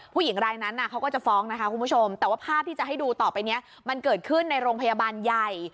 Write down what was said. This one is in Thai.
ผู้หญิงรายนั้นเขาก็จะฟ้องนะคะคุณผู้ชมแต่ว่าภาพที่จะให้ดูต่อไปนี้มันเกิดขึ้นในโรงพยาบาลใหญ่